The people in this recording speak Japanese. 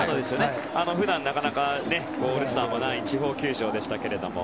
普段なかなかオールスターのない地方球場でした。